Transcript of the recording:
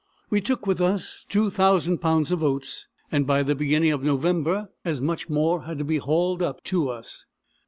We took with us 2,000 pounds of oats, and by the beginning of November as much more had to be hauled up to us.